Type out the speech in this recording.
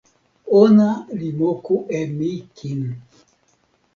ona li moku e mi kin.